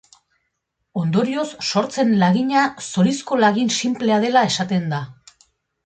Ondorioz sortzen lagina zorizko lagin sinplea dela esaten da.